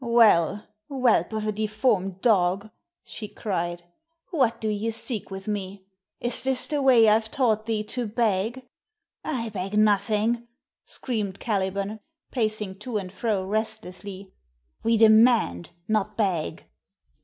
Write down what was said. "Well, whelp of a deformed dog!" she cried. "What do ye seek with me? Is this the way I've taught thee to beg?" "I beg nothing!" screamed Caliban, pacing to and fro restlessly. "We demand, not beg!"